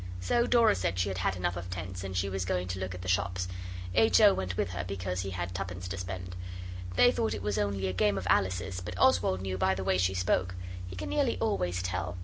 So Dora said she had had enough of tents, and she was going to look at the shops. H. O. went with her because he had twopence to spend. They thought it was only a game of Alice's but Oswald knew by the way she spoke. He can nearly always tell.